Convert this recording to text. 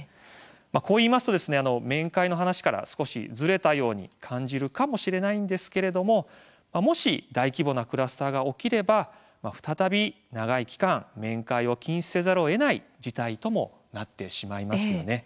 こう言いますと、面会の話から少しずれたように感じるかもしれませんがもし、大規模なクラスターが起きれば再び、長い期間面会を禁止せざるをえない事態となってしまいます。